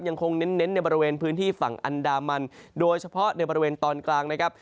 ยังคงเน้นในบริเวณพื้นที่ฝั่งอันดามันโดยเฉพาะในบริเวณตอนกลางนะครับ